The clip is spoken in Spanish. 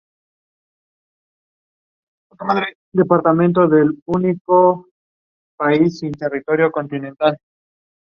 Tommy Lee Wallace nació en Somerset, Kentucky, Estados Unidos.